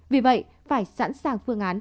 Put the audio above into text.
vì vậy phải sẵn sàng phương án